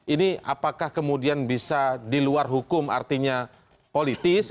ini apakah kemudian bisa diluar hukum artinya politis